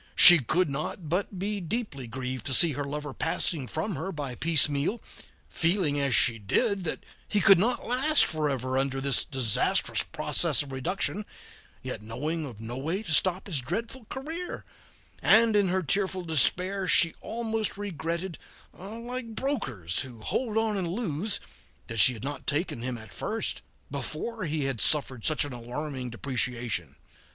She could not but be deeply grieved to see her lover passing from her by piecemeal, feeling, as she did, that he could not last forever under this disastrous process of reduction, yet knowing of no way to stop its dreadful career, and in her tearful despair she almost regretted, like brokers who hold on and lose, that she had not taken him at first, before he had suffered such an alarming depreciation.